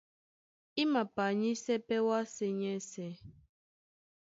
I mapanyísɛ́ pɛ́ wásē nyɛ́sɛ̄.